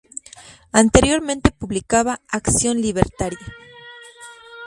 Anteriormente publicaba "Acción Libertaria".